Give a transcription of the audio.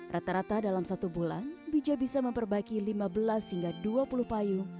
rata rata dalam satu bulan bija bisa memperbaiki lima belas hingga dua puluh payung